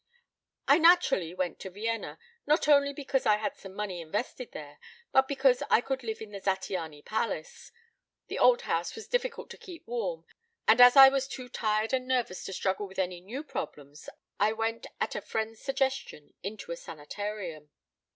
"I naturally went to Vienna, not only because I had some money invested there, but because I could live in the Zattiany Palace. The old house was difficult to keep warm, and as I was too tired and nervous to struggle with any new problems I went at a friend's suggestion into a sanitarium.